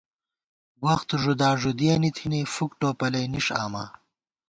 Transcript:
وخت ݫُدا ݫُدِیَنی تھنی ، فُک ٹوپَلَئ نِݭ آما